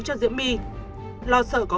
cho diễm my lo sợ có